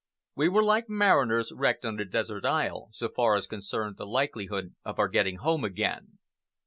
We were like mariners wrecked on a desert isle, so far as concerned the likelihood of our getting home again.